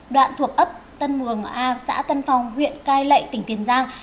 đoạn thuộc ấp tân mường a xã tân phong huyện cai lệ tỉnh tiền giang